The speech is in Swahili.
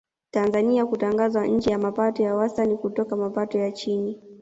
Tanzania kutangazwa nchi ya mapato ya wastani kutoka mapato ya chini